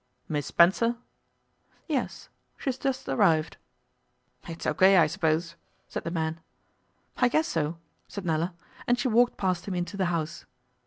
'Miss Spencer?' 'Yes; she's just arrived.' 'It's O.K., I suppose,' said the man. 'I guess so,' said Nella, and she walked past him into the house.